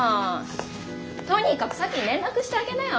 とにかく沙樹に連絡してあげなよ。